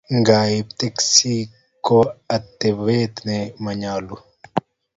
Ngaib teksi kou atepto ne ma nyallu